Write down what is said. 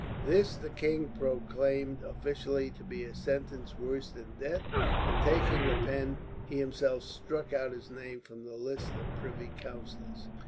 This the king proclaimed officially to be a sentence worse than death and, taking a pen, he himself struck out his name from the list of privy councillors.